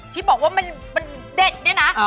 ที่บอกว่ามันเด็ดเนี่ยนะ